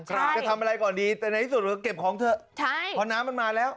จะทำอะไรก่อนดีแต่ในที่สุดก็เก็บของเถอะใช่เพราะน้ำมันมาแล้ว